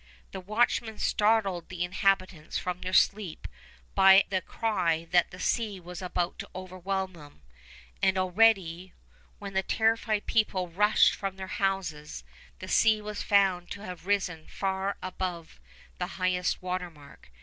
The watchmen startled the inhabitants from their sleep by the cry that the sea was about to overwhelm them; and already, when the terrified people rushed from their houses, the sea was found to have risen far above the highest watermark.